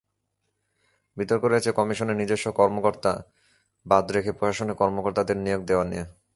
বিতর্ক রয়েছে কমিশনের নিজস্ব কর্মকর্তা বাদ রেখে প্রশাসনের কর্মকর্তাদের নিয়োগ দেওয়া নিয়ে।